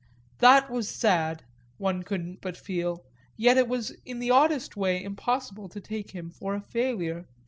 That was sad, one couldn't but feel; yet it was in the oddest way impossible to take him for a failure.